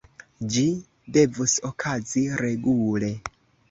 Ĝi devus okazi regule.